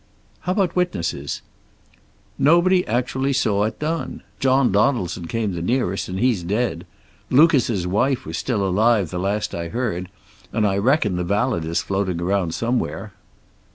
"How about witnesses?" "Nobody actually saw it done. John Donaldson came the nearest, and he's dead. Lucas's wife was still alive, the last I heard, and I reckon the valet is floating around somewhere."